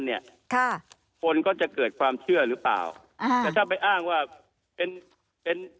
เนี่ยค่ะคนก็จะเกิดความเชื่อหรือเปล่าอ่าแต่ถ้าไปอ้างว่าเป็นเป็น